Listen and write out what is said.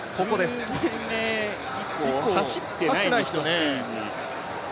１０台目以降、走ってないですよね。